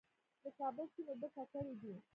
د کابل سیند اوبه ککړې دي؟